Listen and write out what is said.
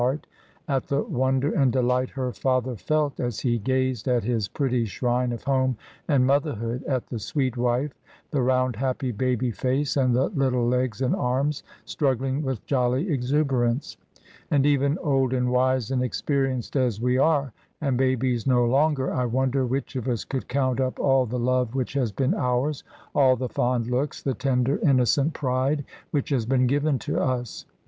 heart, at the wonder arid delight her father felt as he gazed at his pretty shrine of home and mother hood, at the sweet wife, the round, happy, baby face, and the little legs and arms struggling with jolly exuberance; and even old and wise and ex perienced as we are, and babies no longer, I wonder which of us could count up all the love which has been ours, all the fond looks, the tender, innocent pride which has been given to us.